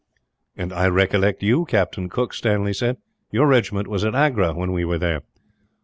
"I recollect you, Captain Cooke," Stanley said. "Your regiment was at Agra, when we were there."